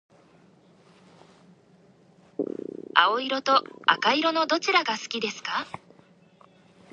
青色と赤色のどちらが好きですか？